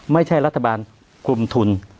ไม่ใช่รัฐบาลกลุ่มทุน